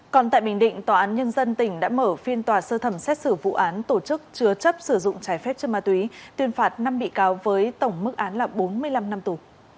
còn tại bình định tòa án nhân dân tỉnh đã mở phiên tòa sơ thẩm xét xử vụ án tổ chức chứa chấp sử dụng trái phép chất ma túy tuyên phạt năm bị cáo với tổng mức án là bốn mươi năm năm tù